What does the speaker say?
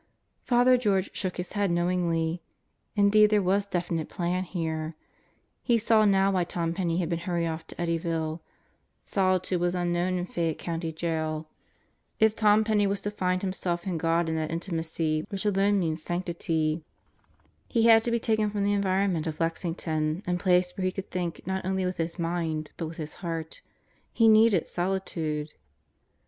Father George shook his head knowingly. Indeed there was definite plan here. He saw now why Tom Penney had been hurried off to Eddyville. Solitude was unknown in Fayette County Jail. If Tom Penney was to find himself and God in that intimacy which alone means sanctity, he had to be taken from the en 60 God Goes to Murderer's Row vironment of Lexington and placed where he could think not only with his mind, but with his heart. He needed solitude.